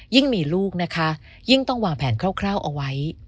ยิ่งมีลูกนะคะยิ่งต้องวางแผนคร่าวเอาไว้